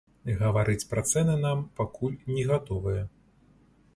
Гаварыць пра цэны там пакуль не гатовыя.